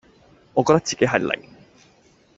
我覺得自己係零